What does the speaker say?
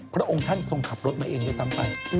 พระองค์ท่านทรงขับรถมาเองด้วยซ้ำไป